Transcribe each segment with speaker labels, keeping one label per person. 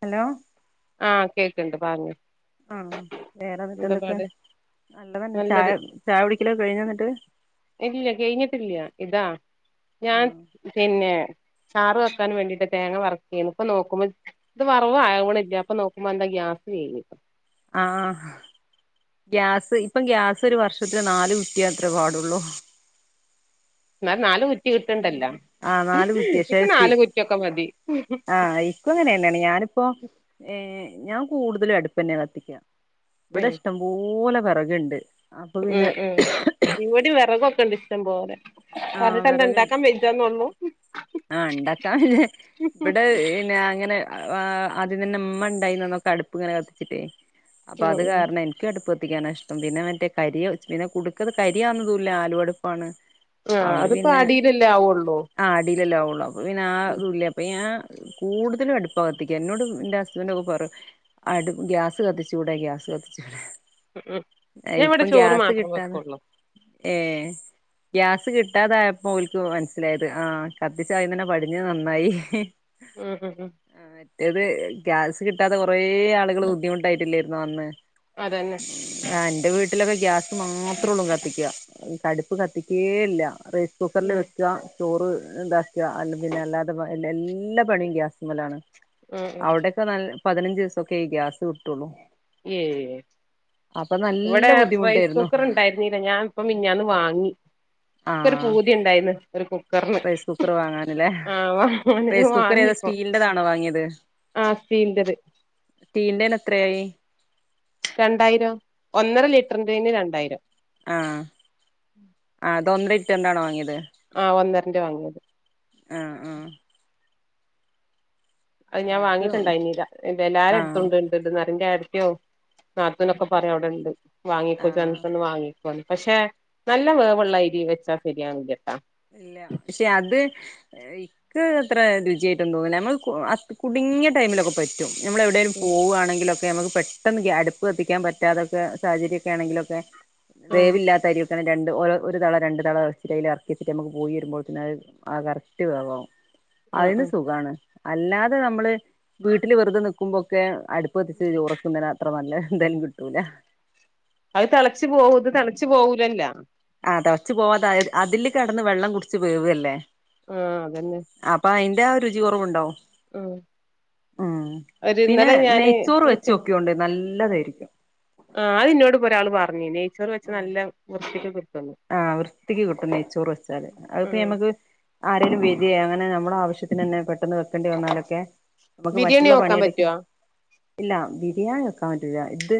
Speaker 1: Hello
Speaker 2: ആ കേക്കണ്ട് പറഞ്ഞോ
Speaker 1: ആ വേറെ എന്നിട്ട്
Speaker 2: എന്താ
Speaker 1: എന്തൊക്കെയ
Speaker 2: പാട്
Speaker 1: നല്ലതന്നെ ചായ
Speaker 2: നല്ലത്
Speaker 1: ചായ പിടിക്കലോ കഴിഞ്ഞു എന്നിട്ട്
Speaker 2: ഇല്ല കഴിഞ്ഞിട്ടില്ല ഇതാ ഞാൻ പിന്നെ ചാറ് വെക്കാൻ വേണ്ടിട്ട് തേങ്ങ വർക്കെനു ഇപ്പൊ നോക്കുമ്പോ ഇത് വറവ് ആവണില്ല അപ്പൊ നോക്കുമ്പോന്റെ ഗ്യാസ് കഴിഞ്
Speaker 1: ആ ഗ്യാസ് ഇപ്പം ഗ്യാസ് ഒരു വർഷത്തില് നാല് കുറ്റിയ അത്രേ പാടുള്ളൂ
Speaker 2: ന്നാലും നാല് കുറ്റിയൊ
Speaker 1: ആ നാല് കുറ്റി ഷേ പി
Speaker 2: കുറ്റിയൊക്കെ മതി
Speaker 1: ആ ഇപ്പങ്ങനെ തന്നെയാ ഞാനിപ്പോ ഏ ഞാൻ കൂടുതലും അടുപ്പെന്നെ കത്തിക്കാ ബട ഇഷ്ടം പോലം വെറക്ണ്ട്
Speaker 2: മ് മ് ഇവിടി വിറകൊക്കെണ്ട് ഇഷ്ട്ടം പോലെ പറഞ്ഞിട്ടെന്താ ഇണ്ടാക്കാൻ വയ്യാതോന്നണു
Speaker 1: ആ ണ്ടാക്കാ ഇവിടെ പിന്നെ അങ്ങനെ ആ ആദ്യം തന്നെ ഇമ്മ ഉണ്ടായിന്ന്ന്നൊക്കെ അടുപ്പ് ഇങ്ങനെ കത്തിച്ചിട്ടേ അപ്പൊ
Speaker 2: ഉം
Speaker 1: അത്
Speaker 2: ഉം
Speaker 1: കാരണം എനിക്ക് അടുപ്പ കത്തിക്കാന ഇഷ്ടം പിന്നെ മറ്റേ കരി പിന്നെ കുടുക്കത് കരിയാകുന്നതൂല ആലുവടുപ്പാണ്
Speaker 2: ആ
Speaker 1: അതൊണ്ട്
Speaker 2: അതിപ്പോ അടിയിലല്ലേ ആവുള്ളൂ
Speaker 1: ല്ലേവൊള്ളൂ പ്പോ പിന്നെ ആ ഉ ഇല്ല പ്പ ഞാ കൂടുതലു അടുപ്പാ കത്തിക്ക എന്നോട് എന്റെ ഹസ്ബന്റ് ഒക്കെ പറ അടു ഗ്യാസ് കത്തിച്ചുടെ കൂട ഗ്യാസ് കത്തിച്ചുടെ
Speaker 2: മം മം ഞാൻ ഇവിടെ ചോറ് മാത്രം
Speaker 1: കിട്ടാതെ
Speaker 2: വെക്കുള്ളൂ
Speaker 1: ഏ ഗ്യാസ് കിട്ടാതായപ്പോ ഓൽക്ക് മനസ്സിലായത് ആ കത്തിച്ച് ആദ്യം തന്നെ പടിഞ്ഞത് നന്നായി
Speaker 2: ഉം മ് മ്
Speaker 1: ഏത് ഗ്യാസ് കിട്ടാതെ കൊറേ കുറേ ആളുകള് ബുദ്ധിമുട്ടായിട്ടില്ലേ ന്ന ന്നെ
Speaker 2: അതന്നെ
Speaker 1: ആ ഇന്റെ വീട്ടിലൊക്കെ ഗ്യാസ് മാത്രോള്ളു കത്തിക്ക അടുപ്പ് കത്തിക്കെയില്ല റൈസ് കുക്കറില്
Speaker 2: ഉം
Speaker 1: വെക്ക ചോറ് ഇണ്ടാക്കുക അല്ലെങ്കി പിന്നെ എല്ലാത് വ എല്ലേ എല്ല എല്ലാ പണിയും ഗ്യാസുമെലാണ്
Speaker 2: ഉം ഉം
Speaker 1: അവിടെക്കെ നല്ല പതിനഞ്ച് ദിവസോക്കെ ഈ ഗ്യാസ് കിട്ടൊള്ളു
Speaker 2: ഏയ് ഇവിടെ
Speaker 1: നല്ല
Speaker 2: റൈസ്
Speaker 1: ബുദ്ധിമുട്ടായിരുന്നു
Speaker 2: കുക്കറുണ്ടായിരുന്നില്ല ഞാൻ ഇപ്പ മിനിഞ്ഞാന്ന് വാങ്ങി
Speaker 1: ആ
Speaker 2: ക്കൊരു പൂതി ഉണ്ടായിരുന്നു
Speaker 1: റൈസ് കുക്കറ് വാങ്ങാനല്ലെ
Speaker 2: ആ ഓന്
Speaker 1: റൈസ്കുക്കറേതാ
Speaker 2: വാങ്ങിപ്പോ
Speaker 1: സ്റ്റീലിന്റെതാണോ വാങ്ങിയത്
Speaker 2: ആ സ്റ്റീലിന്റത്
Speaker 1: സ്റ്റീലിന്റെന് എത്രയായി
Speaker 2: രണ്ടായിരം ഒന്നര ലിറ്ററിന്റെന് രണ്ടായിരം
Speaker 1: ആ അത് ഒന്നര ലി റ്റർന്റെ ആണോ വാങ്ങിയത്
Speaker 2: ആ ഒന്നാരെന്റെ വാങ്ങിയത്
Speaker 1: ആ ആ
Speaker 2: അത് ഞാൻ
Speaker 1: ഞങ്ങക്ക്
Speaker 2: വാങ്ങിയിട്ടുണ്ടായിരുന്നില്ല ഇത് എല്ലാരും
Speaker 1: ആ
Speaker 2: എടുത്തു ഉണ്ട് ണ്ട്ന്ന് പറ എന്റെ ഏടത്തിയോം നാത്തൂനും ഒക്കെ പറയും അവിടെ ഇണ്ട് വാങ്ങിക്കെ ജ്
Speaker 1: ആ
Speaker 2: അൻകൊന്നു വാങ്ങി പക്ഷേ നല്ല വേവുള്ള അരി വെച്ച ശരിയാവില്ലട്ടാ
Speaker 1: പക്ഷേ അത് ഇക്ക് അത്ര രുചിയായിട്ടൊന്നും ഒന്നിയില്ല നമ്മള് ആ കുടുങ്ങിയ ടൈംമിലൊക്കേ പറ്റും നമ്മള് എവിടേലും
Speaker 2: ഉം
Speaker 1: പോവാണെങ്കില് ഒക്കെ നമ്മക്ക് പെട്ടെന്ന് ഗ്യാ അടുപ്പ് കത്തിക്കാൻ പറ്റാത്തഒക്കെ സാഹചര്യഒക്കെ ആണെങ്കില് വേവില്ലാത്ത അരിയൊക്കെയാണേ രണ്ട് ഒരു തള രണ്ട് തള തളച്ചിട്ട് അയല് എത്തി ഇട്ടിട്ട് നമ്മ പോയി വരുമ്പോഴിക്കും അത് ആ കറക്റ്റ് വേവ് ആവും
Speaker 2: ഉം
Speaker 1: അതിനു
Speaker 2: ഉം
Speaker 1: സുഖാണ് അല്ലാതെ നമ്മള് വീട്ടില് വെറുതെ നികുമ്പോക്കെ അടുപ്പ് കത്തിച്ച് ചോറൊക്കെ ഇതിനകത്ത ഇപ്പ വന്നാ എന്തായാലും കിട്ടൂല
Speaker 2: അത് തേളച്ച് പോവും ഇത് തേളച്ചുപോവാലാല്ല
Speaker 1: ആ തേളച്ച് പോവാത്ത അതില് കെടന്ന് വെള്ളം കുടിച്ച് വേവല്ലേ
Speaker 2: ആ അതെന്നെ
Speaker 1: ന്റെ രുചി കുറവുണ്ടാവും ഉം
Speaker 2: ഒരു
Speaker 1: പിന്നെ
Speaker 2: ഇന്നലെ ഞാന്
Speaker 1: നെയ്ചോറ് വെച്ച് നോകൊണ്ടു നൽ ല്ലതായിരിക്കും
Speaker 2: ആ അത് ഇന്നോട് ഒരാള് ഇപ്പ പറഞ്ഞ് നെയ്ചോറ് വെച്ച നല്ല വൃത്തിക്ക് കിട്ടുന്ന്
Speaker 1: ആ വൃത്തിക്ക്‌ കിട്ടും നെയ്‌ച്ചോറ് വെച്ചാല് അതുപ്പോ
Speaker 2: ഉം
Speaker 1: നമ്മക്ക് ആരേലും വരേ അങ്ങ ന്നെ നമ്മുടെ ആവശ്യത്തിനെന്നെ പെട്ടന്ന് വെക്കെണ്ടി വന്നാലൊക്കെ നമുക്ക്
Speaker 2: ബിരിയാണി
Speaker 1: മറ്റുള്ള
Speaker 2: വെക്കാൻ
Speaker 1: പണിയെടുക്ക
Speaker 2: പറ്റോ
Speaker 1: ഇല്ല ബിരിയാണി വെക്കാൻ പറ്റൂല ഇത്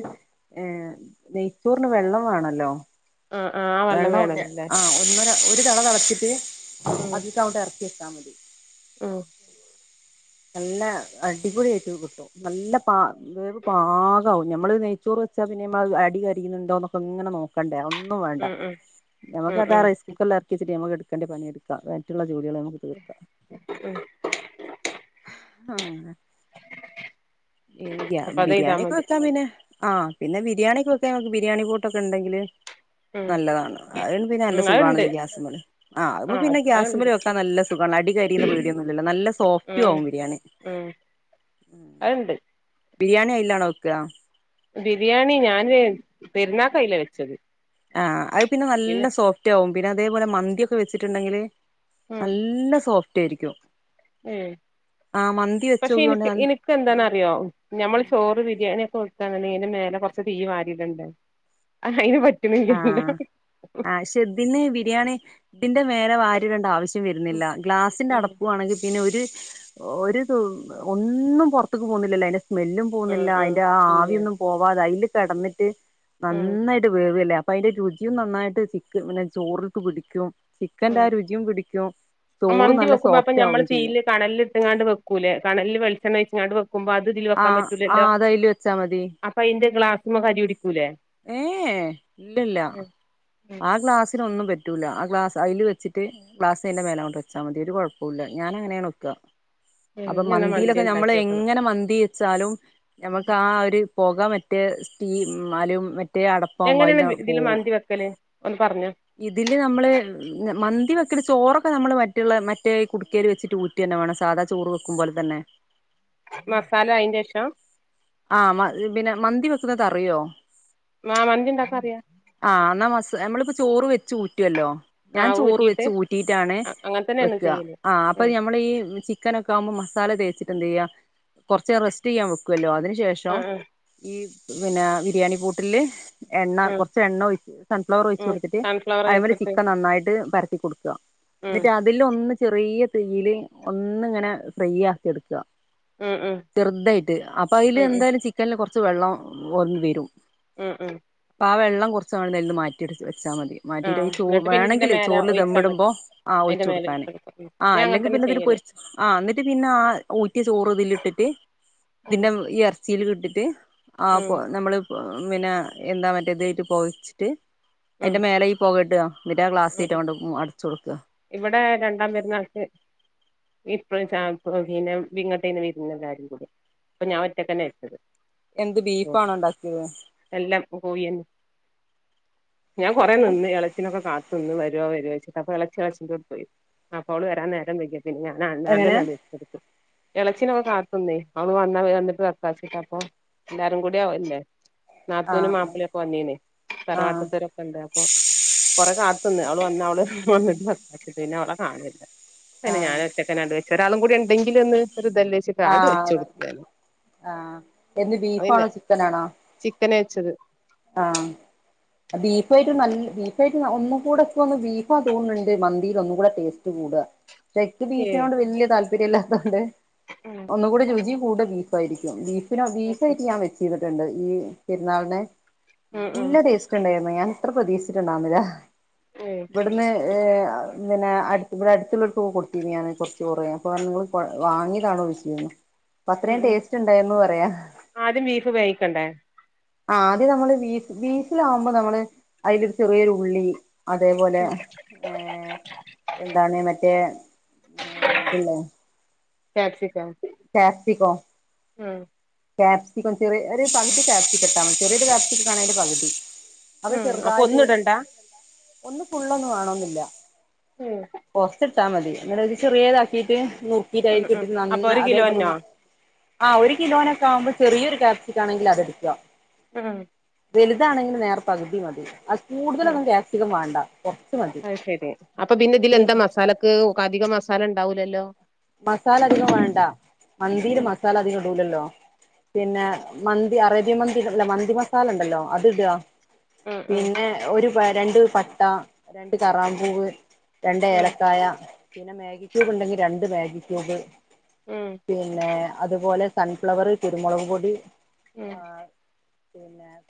Speaker 1: നെയ്‌ച്ചോറിന് വെള്ളം വേണല്ലോ
Speaker 2: ആഹ് ആഹ് ആ വെള്ളം
Speaker 1: വെള്ളണ്ട്
Speaker 2: വേണല്ലേ
Speaker 1: ആ ഒന്നു ര ഒരു തെള തെളക്കുമ്പോ കിട്ടീ
Speaker 2: ഉം
Speaker 1: അതീക്കണ്ട് ഇറക്കി വെച്ച് ഇട്ടാമതി
Speaker 2: ഉം
Speaker 1: നല്ല അടിപൊളി ആയിട്ട് കിട്ടും നല്ല പാ വേവ് പാകാവും നമ്മള് നെയ്‌ച്ചോറ് വെച്ചാല് പിന്നെ അടി കരിയുന്നുണ്ടോ ന്നൊക്കെ ഇങ്ങനെ നോക്കണ്ടേ ഒ ന്നും വേണ്ടാ
Speaker 2: ഉം ഉം
Speaker 1: നമ്മക്ക്
Speaker 2: ഉം
Speaker 1: അത്
Speaker 2: ഉം
Speaker 1: റൈസ് കുക്കറിൽ അർ ഇത് വെച്ചിട്ട് നമുക്ക് എടുക്കേണ്ട പണി എടുക്കാ മറ്റുള്ള ജോലികള് നമുക്ക് തീർക്കാം
Speaker 2: ഉം
Speaker 1: ആ ഈ ഗ്യ
Speaker 2: അപ്പൊ അത് ചെയ്താ
Speaker 1: ബിരിയാണി ഒക്കെ
Speaker 2: മതി
Speaker 1: വെക്കാൻ പിന്നെ ആ പിന്നെ ബിരിയാണിയൊക്കെ വെക്കാൻ ബിരിയാണി പോട്ട് ഓക്കെ ഉണ്ടെങ്കില്
Speaker 2: ഉം
Speaker 1: നല്ലതാണ് അഹ് പിന്നെ നല്ല
Speaker 2: ഉം അതുണ്ട്
Speaker 1: സുഖാണല്ലോ ഗ്യാസ്മ്മല് ആ അത്
Speaker 2: ആഹ്
Speaker 1: പിന്നെ ഗ്യാസ്
Speaker 2: അതുണ്ട്
Speaker 1: വെക്കാൻ നല്ല സുഖണല്ലോ അടി കരിയുന്ന പേടിയൊന്നുല്ലല്ലോ നല്ല സോഫ്
Speaker 2: ഉം ഉം അത്ണ്ട്
Speaker 1: ബിരിയാണി അയിലാണോ വെക്കാ
Speaker 2: ബിരിയാണി ഞാന് പെരുന്നാക്ക് അതിലാ വെച്ചത്
Speaker 1: ആ അ പിന്നെ നല്ല സോഫ്റ്റാവും പിന്നെ അതേപോലെ മന്തി ഒക്കെ വെച്ചിട്ടുണ്ടെങ്കില് നല്ല സോഫ്‌ റ്റായിരിക്കും
Speaker 2: ഹേയ് പക്ഷേ
Speaker 1: വെച്ചോക്കൊണ്ട്
Speaker 2: എനക്ക്
Speaker 1: നൽ
Speaker 2: എനക്ക് എന്താന്നറിയോ നമ്മള്
Speaker 1: ആഹ്
Speaker 2: ചോറ് ബിരിയാണി ഒക്കെ വെക്കാണെങ്കില് അതിന് മേലെ കുറച്ച് തീയ്യ് വാരിടണ്ടേ അയിന് പ
Speaker 1: ആ പക്ഷേ ഇതിന് ബിരിയാണി ന്റെ മേലെ വരിടേണ്ട ആവശ് ശ്യം വരുന്നില്ല ഗ്ലാസിന്റെ
Speaker 2: ഉം
Speaker 1: അടപ്പു ആണെങ്കിൽ പിന്നെ ഒര് ഒരു ഒന്നും പുറത്ത്ക്ക് പോകുന്നില്ലല്ലോ അതിന്റെ സ്മെല്ലും
Speaker 2: ഉം
Speaker 1: പോവുന്നില്ല
Speaker 2: ഉം
Speaker 1: അയിന്റെ ആ
Speaker 2: ഇല്ല
Speaker 1: ആവിയൊന്നും പോവാതെ അയില് കെടന്നിട്ട്
Speaker 2: ഉം
Speaker 1: നന്നായിട്ട് വേവ ല്ലേ അപ്പൊ അയ്‌ന്റെ രുചിയും നന്നായിട്ട് ചിക്ക് ചോറിലേക്ക് പിടിക്കും ചിക്കന്റെ ആ രുചിയും പിടിക്കും
Speaker 2: മ്മ്
Speaker 1: ചോറ്
Speaker 2: മന്തി
Speaker 1: നല്ല
Speaker 2: വെക്കുമ്പോൾ അപ്പൊ
Speaker 1: സോഫ്റ്റ്
Speaker 2: ഞമ്മൾ
Speaker 1: ആവും ചെയ്യും
Speaker 2: തീയിൽ കനലിൽ ഇട്ടെങ്ങാണ്ട് വെക്കൂലേ കനലിൽ വെളിച്ചെണ്ണ ഒഴിച്ചെങ്ങാണ്ട് വെ
Speaker 1: ആ അത് അതിൽ വെച്ചാൽ മതി
Speaker 2: അപ്പൊ അയിന്റെ ഗ്ലാസ്മ്മെ കരി പിടിക്കൂലേ
Speaker 1: ഏ ഇല്ല ഇല്ല ആ
Speaker 2: ഉം
Speaker 1: ഗ്ലാസിന് ഒന്നും പ പറ്റൂല ആ ഗ്ലാസ്‌ അതിൽ വെച്ചിട്ട് ഗ്ലാസ്‌ അതിന്റെ മേലെ അങ്ങോട്ട് വെച്ചാൽ മതി ഒരു കുഴപ്പവും ഇല്ല ഞാൻ അങ്ങനെ ആണ് വെക്ക അപ്പൊ
Speaker 2: ഇഞ്ഞെന്നാ മന്തി
Speaker 1: മന്തിയിലൊക്കെ ഞമ്മള്
Speaker 2: ഇണ്ടാക്കി നോക്കണം
Speaker 1: എങ്ങനെ മ വെച്ചാലും ഞമ്മക്ക് ആ ഒരു പൊക മറ്റേ സ്റ്റീ അലു
Speaker 2: എങ്ങനെയാണ് ഇതില് മന്തി വെക്കല് ഒന്ന് പറഞ്ഞോ
Speaker 1: ഇതില് ഞമ്മള് മ മന്തി വെക്കല് ചോറ് ഒക്കെ ഞമ്മൾ മറ്റുള്ള മറ്റേ കുടുക്കയിൽ വെച്ചിട്ട് ഊറ്റുക തന്നെ വേണം സാധ ചോറ് വെക്കും പോലെ തന്നെ
Speaker 2: മസാല അയിന്റെ ശേഷ
Speaker 1: ആ മന്തി വെക്കുന്നത് അറിയോ
Speaker 2: ആ മന്തി ഉണ്ടാക്കാൻ അറിയാ
Speaker 1: ഞമ്മൾ ഇപ്പൊ ചോറ് വെച്ച് ഊറ്റല്ലോ
Speaker 2: ആ
Speaker 1: ഞാൻ ചോറ്
Speaker 2: ഊറ്റിയിട്ട്
Speaker 1: വെച്ച് ഊറ്റീട്ട് ആണ്
Speaker 2: അങ്ങനെ തന്നെയാണ്
Speaker 1: വെക്കുക
Speaker 2: ചെയ്യല്
Speaker 1: അപ്പൊ
Speaker 2: ഉം
Speaker 1: ഞമ്മൾ ഈ ചിക്കൻ ഒക്കെ ആവുമ്പോൾ മസാല മസാല തേച്ചിട്ട് എന്താ ചെയ്യ കുറച്ചു നേരം റസ്റ്റ്‌ ചെയ്യാൻ വെക്കല്ലോ അതിനു
Speaker 2: ആ
Speaker 1: ശേഷം
Speaker 2: ആ
Speaker 1: ശേഷം പിന്ന ബിരിയാണി കൂട്ടിൽ എണ്ണ
Speaker 2: ആ
Speaker 1: കുറച്ചു എണ്ണ സൺഫ്ലവർ ഒഴിച്ച്
Speaker 2: ഉം
Speaker 1: കൊടുത്തിട്ട്
Speaker 2: സൺഫ്ലവർ
Speaker 1: അതിന്മേൽ
Speaker 2: വെച്ചിട്ട്
Speaker 1: ചിക്കൻ നന്നായിട്ട് പരത്തുക ആക്കി കൊടുക്കുക
Speaker 2: ഉം
Speaker 1: എന്നിട്ട് അതിൽ ഒന്ന് ചെറിയ തീയിൽ ഒന്ന് ഇങ്ങനെ ഫ്രൈ ആക്കി എടുക്കുക
Speaker 2: ഉം ഉം
Speaker 1: ചെറുതായിട്ട് അപ്പൊ
Speaker 2: ഉം ഉം
Speaker 1: എന്തായാലും ചിക്കൻ കുറച്ചു കുറച്ചു വെള്ളം വരും
Speaker 2: മ്മ് മ്മ്
Speaker 1: അപ്പൊ ആ വെള്ളം കുറച്ചു അങ്ങട്ട് അതിൽ നിന്നും മാറ്റി എടുക്ക മാറ്റി വെച്ചാൽ മതി
Speaker 2: ആ
Speaker 1: മാറ്റിട്ട് അതിൽ ചോ
Speaker 2: എന്നിട്ട് പിന്നെ ഇതിന്റെ
Speaker 1: വേണമെങ്കിൽ
Speaker 2: മേലെ
Speaker 1: ചോറിൽ ദം
Speaker 2: ഒഴിച്ചാ മതി
Speaker 1: ഇടുമ്പോൾ ആ
Speaker 2: അയിന്റെ
Speaker 1: ഒഴിച്ച്
Speaker 2: മേലെ
Speaker 1: കൊടുക്കാൻ
Speaker 2: ഒഴിച്ചെടുക്ക ഉം
Speaker 1: ആ
Speaker 2: ഞാൻ അങ്ങനെ
Speaker 1: അല്ലെങ്കിൽ
Speaker 2: തന്നെ
Speaker 1: പിന്നെ ഇതിൽ
Speaker 2: ചെയ്യല്
Speaker 1: പൊരിച്ചു എന്നിട്ട് പിന്നെ ആ ഊറ്റിയ ചോറ് ഇതിൽ ഇട്ടിട്ട്
Speaker 2: ഉം
Speaker 1: പിന്നെ ഈ ഇറച്ചി ആ ഇപ്പൊ
Speaker 2: ഉം
Speaker 1: ഞമ്മൾ ഇപ്പൊ പിന്നെ എന്താ മറ്റേ ഇതെറ്റും പുകച്ചിട്ട്
Speaker 2: ഉം
Speaker 1: അതിന്റെ മേലെ ഈ പുക ഇട എന്നിട്ട് ആ ഗ്ലാസ്‌
Speaker 2: ഉം
Speaker 1: കൊണ്ട് അടച്ചു കൊടുക്കുക
Speaker 2: ഇവിടെ രണ്ടാം പെരുന്നാൾക്ക് പിന്നെ ഇങ്ങട്ട് ആയിരുന്നു വിരുന്ന് എല്ലാരും കൂടി അപ്പൊ ഞാൻ ഒറ്റക്ക് തന്നെ എടുത്തത്
Speaker 1: എന്താ ബീഫ്‌ ആണോ ഉണ്ടാക്കിയത്
Speaker 2: എല്ലാം കോഴിയന്നെ ഞാൻ കൊറേ നിന്ന് എള്ളചിനൊക്കെ കാത്ത് വരോ വരോ അപ്പോ എളച്ചി ഇളച്ചിൻറ്റോട്ക്ക് പോയി. അപ്പോൾ അവൾ വരാൻ നേരം വെയ്ക്ക പിന്നെ ഞാൻ
Speaker 1: എങ്ങനെ
Speaker 2: നടന്നാണ്ടന്നെ അണ്ട് എത്തിയ ഇളച്ചിനൊക്കെ കാത്ത് നിന്ന് അവൾ വന്ന വെക്ക വിചാരിച്ചി എല്ലാരും കൂടെ അല്ലേ
Speaker 1: ആ
Speaker 2: നാത്തൂനും മപ്പളീം ഒക്കെ വന്നിനി
Speaker 1: ആ
Speaker 2: തറവാ [inaudible] കൊറേ കാത്ത് നിന്ന് അവള് വന്നാ അവള് വന്നിട്ട് വെക്കാചാരിച്ചിട്ട് അവളെ കാണില്ല
Speaker 1: ആ
Speaker 2: പിന്നെ ഞാൻ ഒറ്റക്കാണ്ട് വെച്ച് ഒരാളും കൂടി ഉണ്ടങ്കിലൊന്ന്
Speaker 1: ആ ആ ബീഫാണോ
Speaker 2: അതന്നെ
Speaker 1: ചിക്കാനാണോ
Speaker 2: ചിക്കന് വെച്ചത്
Speaker 1: ആ ബീഫായട്ടും നല്ല ബീഫാ ഒന്നുകൂടെ ഇൻക്ക് ബീഫാ തോന്ണ്ട് മന്തിയിൽ ഒന്നുകൂടെ ടെസ്റ്റ്‌ കൂടാ ക്ക്
Speaker 2: ഏ
Speaker 1: ബീഫിനോണ്ട് വല്ല്യ താൽപ്പ ല്ലാത്തോണ്ട് ഒന്നുകൂടി രുചി കൂടെ ബീഫായിരിക്കും ബീഫ് പിന്നെ ബീഫായിട്ട് ഞാൻ വെച്ചി ക്കെ ഒണ്ട് ഈ പെരുന്നാളിന്
Speaker 2: ഉം ഉം
Speaker 1: നല്ല ടേസ്റ്റുണ്ടായി ഞാൻ ഇത്ര പ്രതീക്ഷിച്ചിട്ടുണ്ടായിരുന്നില്ല
Speaker 2: ഏ
Speaker 1: ഇവ്ട്ന്ന് എ അ ഇങ്ങനെ അടുത്തു കൂടെ അടുത്ത്ള്ളോല്ക്ക് ഒക്കെ കൊട്ത്തീനി ഞാന് കൊറച്ച് ചോറ് അപ്പം പറഞ്ഞു ഇങ്ങള് വാങ്ങീതാണോ ചോയ്ച്ച് അപ്പ
Speaker 2: ഉം
Speaker 1: അത്രേം
Speaker 2: ഉം
Speaker 1: ടേസ്റ്റ് ഇണ്ടായിരുന്നു പറയാ
Speaker 2: ആദ്യം ബീഫ് വേവിക്കണ്ടേ
Speaker 1: ആ ആദ്യം നമ്മള് ബീഫ് ബീഫിലാവുമ്പോ നമ്മള് അയില് ചെറിയ ഒരു ഉള്ളി അതേപോലെ ഏ എന്താണ് മറ്റേ ഏ ഇതില്ലേ?
Speaker 2: ക്യാപ്‌സിക്കം
Speaker 1: ക്യാപ്സിക്കോ?
Speaker 2: ഉം
Speaker 1: ക്യാപ്‌സിക്കം ചെറിയ ഒര് പകുതി ക്യാപ്‌സിക്കം എടുത്താ മതി ചെറിയൊരു ക്യാപ്സിക്കാണേ അതിൻ്റെ ഒരു പകുതി അത്
Speaker 2: ഉം അപ്പൊ
Speaker 1: ചെറുതായിട്ട്
Speaker 2: ഒന്നും ഇടണ്ട
Speaker 1: ഒന്ന് ഫുള്ളൊന്നും വേണോന്നില്ല
Speaker 2: ഉം
Speaker 1: [unintelligible] ട്ടാമതി ഇങ്ങനെ ഒര് ചെറിയതാക്കീട്ട് നുറുക്കീട്ട്
Speaker 2: ഉം ഉം
Speaker 1: അയിലിക്കിട്ടിറ്റ്
Speaker 2: അപ്പൊ
Speaker 1: നന്നാ
Speaker 2: ഒരു
Speaker 1: അതേ പോലെ
Speaker 2: കിലോന്നോ
Speaker 1: മ ആ ഒരു കിലോനൊക്ക് ആവുമ്പം ഒരു ചെറിയ ക്യാപ്‌സിക്കാണെങ്കിൽ അതെടുക്കാ
Speaker 2: ഉം
Speaker 1: വെലുതാണെങ്കിൽ നേർ പകുതി മതി അത്
Speaker 2: മ്.
Speaker 1: കൂടുതലൊന്നും ക്യാപ്സിക്കം വേണ്ട കൊറച്ച് മതി
Speaker 2: അയ്ശെരി അപ്പംപ്പിന്നെ ഇതില് എന്താ മസാലക്ക് അധികം മ സാല ഇണ്ടാവുലല്ലോ.
Speaker 1: മസാല അധികം വേണ്ട. മന്തിയിൽ
Speaker 2: ഉം
Speaker 1: മസാല അധികം ഇടൂലല്ലോ. പിന്നെ മന്തി അറേബ്യൻ മന്തി അല്ല മന്തി മസാലണ്ടല്ലോ. അത് ഇടാ
Speaker 2: ഉം ഉം
Speaker 1: പിന്നെ ഒരു വ രണ്ട് പട്ട രണ്ട് കറാമ്പൂവ് രണ്ട്
Speaker 2: ഉം
Speaker 1: ഏലയ്ക്കായ പിന്നെ മേഗിക്യുബ് ഇണ്ടെങ്കിൽ രണ്ട് മേ ഗി ക്യൂബ് പിന്നേ അതുപോലെ സൺഫ്ലവർ, കുരുമുളകുപൊടി,
Speaker 2: ഉം ഉം
Speaker 1: ആഹ്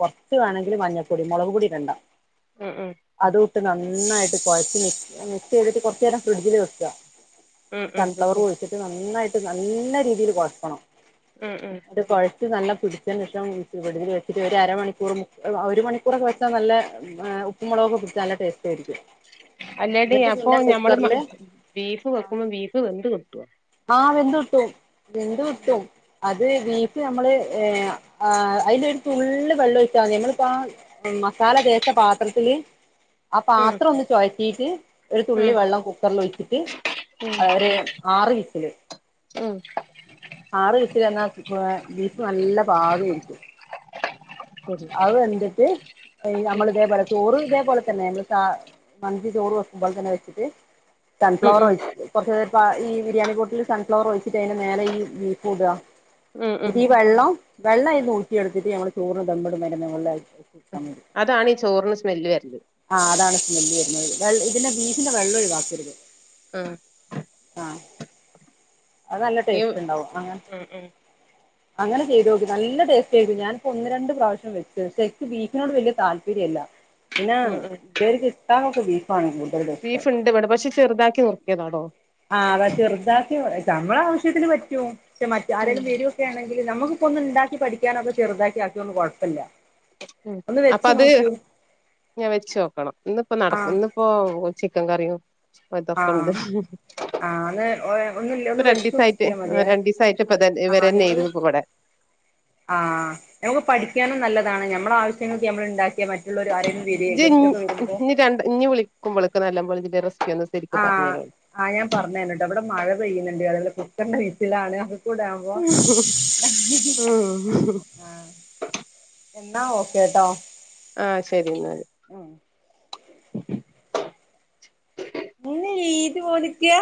Speaker 1: കുറച്ചു വേണെങ്കിൽ മഞ്ഞ പൊടിമുളകും പൊടി ഇടണ്ട
Speaker 2: ഉം ഉം
Speaker 1: അതും നന്നായിട്ട് കൊഴച്ച് മിക്സ് ചെയ്തിട്ട് കുറച്ചുനേരം ഫ്രിഡ്ജിൽ വെക്
Speaker 2: ഉം ഉം
Speaker 1: സൺഫ്ലവർ ഒഴി നന്നായിട്ട് നല്ല രീതിയിൽ കൊഴയ്ക്കണം
Speaker 2: മ് മ്
Speaker 1: നല്ല പിടുത്തം [unintelligible] ഒരു അര മണിക്കൂർ ഒരു മണിക്കൂറൊക്കെ വെച്ചാൽ നല്ലെ ആ ഉപ്പും മുളകും പിടിച്ചാവെച്ചാൽ നല്ല ടെസ്റ്റ് ആയിരിക്കും
Speaker 2: അല്ലടി
Speaker 1: എന്നിട്ട്
Speaker 2: അപ്പോൾ
Speaker 1: പിന്നെ
Speaker 2: നമ്മൾ
Speaker 1: കുക്കറില്
Speaker 2: ബീഫ് വെക്കുമ്പോൾബീഫ് വെന്ത് കിട്ടു ട്ടോ
Speaker 1: ആ വെന്ത് കിട്ടും വെന്ത് കിട്ടും അത് ബീഫ് നമ്മള് ഏ ആഹ് ആയിലൊരു തുള്ളി വെള്ളം ഒഴിച്ചാമതി ഞങ്ങള് പാ മസാല തേച്ച പാത്രത്തില് ആ
Speaker 2: ഉം
Speaker 1: പാത്രം ഒന്ന് ചെയ് [inaudible] ഒരു തുള്ളി
Speaker 2: ഉം
Speaker 1: വെള്ളം കുക്കറിൽ ഒഴിച്ചിട്ട് ടി ആറ് വിസിൽ
Speaker 2: മ്
Speaker 1: ബീഫ് നല്ല പാകായിരിക്കും
Speaker 2: ശരി
Speaker 1: അത് വെന്തിട്ട് നമ്മള് ഇതേപോലെ ചോറ് ഇതേപോലെതന്നെ ന മന്തി ചോറ് വെക്കുമ്പോലെതന്നെ വെച്ചിട്ട് ക
Speaker 2: ഉം
Speaker 1: സൺഫ്ലവർ
Speaker 2: ഉം
Speaker 1: ഒഴിച്ച് കൊറച്ച് അ ഈ ബിരിയാണി ബോട്ടിൽ സൺഫ്ലവർ ഒഴിച്ചിട്ട് അതിന്റെ മേലെ ഈ ബീഫ്
Speaker 2: ഉം
Speaker 1: ഇടു
Speaker 2: ഉം
Speaker 1: ഈ വെള്ളം വെള്ളം അയ്‌ന്ന് ഊറ്റി എടുത്തിട്ട് [unintelligible]
Speaker 2: അതാണ് ഈ ചോറിന്സ്മെല്ല് വര ന്ന്
Speaker 1: അതാണ് സ്മെല്ല് വരുന്നത് ഇതിൻ്റെ ബീഫിന്റെ വെള്ളം ഒഴിവാക്കരുത്
Speaker 2: ആ
Speaker 1: [unintelligible] അത് നല്ല ടേസ്റ്റ്
Speaker 2: ഉം
Speaker 1: ഉണ്ടാവുന
Speaker 2: ഉം
Speaker 1: അങ്ങനെ ചെയ്തോക്ക് നല്ല ടേസ്റ്റ് ഞാൻ ഒന്ന് രണ്ട്പ്രാവശ്യം വെച്ചു എനിക്ക് ബിഫ്‌ന്നോട് വലിയ താൽപ്പര്യല്ലതാല്പര്യമില്ല
Speaker 2: ഉം ഉം
Speaker 1: [unintelligible] ബീഫ്‌യാണെങ്കിലും
Speaker 2: ബീഫ് ണ്ട് വിടെ പക്ഷേ ചെറുതാക്കി മുറക്കിയതാ
Speaker 1: ആഹ് [unintelligible] മറ്റേ ആരേലും
Speaker 2: ഉം
Speaker 1: ആരെങ്കിലും വരുവാണെങ്കിൽനമുക്കൊന്നുണ്ടെ ഇണ്ടാക്കി പഠിക്യാനൊക്കെ ചെറുതാക്കി ആക്കിയൊന്നും കൊഴപ്പല്യാ
Speaker 2: ഉം അപ്പത് ഞാ വെച്ചോക്കണം. ഇന്ന്പ്പം നട,
Speaker 1: ആഹ്
Speaker 2: ഇന്ന് ചിക്കൻ കറിയും ച്പ്പൊതൊക്കെണ്ട്.
Speaker 1: ആഹ് ആഹ് ഒന്ന് ഒ- ഒന്നില്ല
Speaker 2: ഇപ്പോ
Speaker 1: ഒന്ന് വെച്ച്
Speaker 2: രണ്ടിസായിട്ട്
Speaker 1: നോക്കിയാ
Speaker 2: ഉം
Speaker 1: മതിയേ
Speaker 2: രണ്ടീസായിട്ട് പ്പതാ ഇവരന്നേനുപ്പ വടെ.
Speaker 1: ആ ഞമക്ക് പഠിക്കാനും നല്ലതാണ് ഞമ്മളാവശ്യങ്ങൾക്ക് ഞമ്മള് ഇണ്ടാ
Speaker 2: ജജ് ഇൻ ഇനി രണ്ട് ഇനി വിളിക്കുമ്പോളേക്കെ നല്ലമോളിഞ്ചിന്റെ റസിപ്പി
Speaker 1: ആഹ് അയ്‌ ഞാൻ പറഞ്ഞര ട്ടോ ഇവിടെ മഴ പെയ്യുന്നുണ്ട് അതേപോലെ കുക്കറിന്റെ വിസ്സിൽ ആണ്
Speaker 2: ഉം
Speaker 1: എന്നാ ഓക്കേ ട്ടോ
Speaker 2: ആഹ് ശെരിന്നാ
Speaker 1: പിന്നെഇത് ഓടിക്യാ